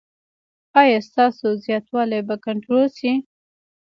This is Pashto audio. ایا ستاسو زیاتوالی به کنټرول شي؟